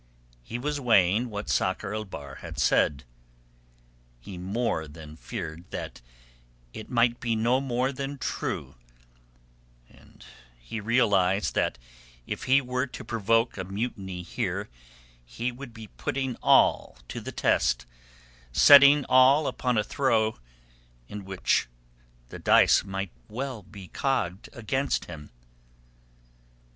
He was weighing what Sakr el Bahr had said. He more than feared that it might be no more than true, and he realized that if he were to provoke a mutiny here he would be putting all to the test, setting all upon a throw in which the dice might well be cogged against him.